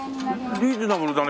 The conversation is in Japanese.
リーズナブルだね。